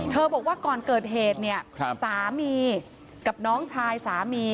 บอกว่าก่อนเกิดเหตุเนี่ยสามีกับน้องชายสามี